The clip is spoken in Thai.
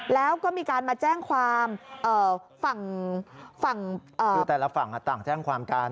แล้วก็มีการมาแจ้งความฝั่งคือแต่ละฝั่งต่างแจ้งความกัน